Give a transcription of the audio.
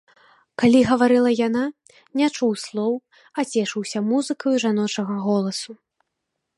Калі гаварыла яна, не чуў слоў, а цешыўся музыкаю жаночага голасу.